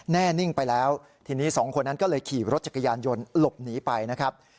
แน่นิ่งไปแล้วทีนี้สองคนนั้นก็เลยขี่รถจักรยานยนต์หลบหนีไปนะครับ